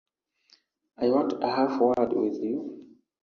I want half a word with you.